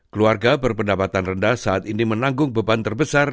keluarga berpendapatan rendah saat ini menanggung beban terbesar